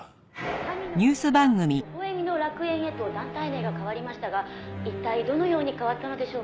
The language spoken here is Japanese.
「神の国から微笑みの楽園へと団体名が変わりましたが一体どのように変わったのでしょうか？」